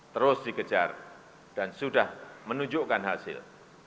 terus dikejar dan sudah menunjukkan hasil